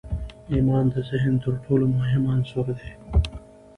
ایمان د ذهن تر ټولو مهم عنصر دی